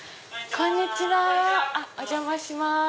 こんにちはお邪魔します。